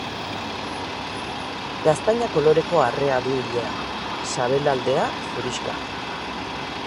Gaztaina koloreko arrea du ilea, sabelaldean zurixka.